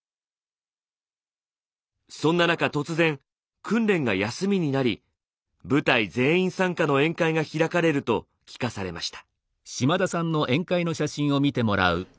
そんな中突然訓練が休みになり部隊全員参加の宴会が開かれると聞かされました。